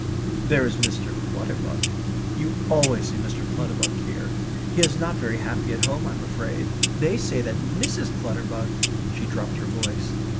"There is Mr. Clutterbuck. You always see Mr. Clutterbuck here. He is not very happy at home, I am afraid. They say that Mrs. Clutterbuck ..." she dropped her voice.